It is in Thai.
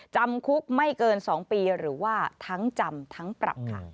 จำคุกไม่เกิน๒ปีหรือว่าทั้งจำทั้งปรับค่ะ